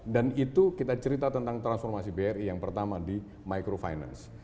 dan itu kita cerita tentang transformasi bri yang pertama di microfinance